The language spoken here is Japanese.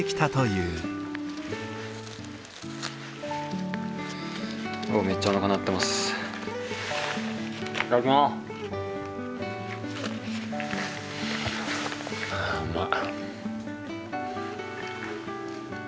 うまい。